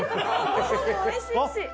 ご飯も美味しいし。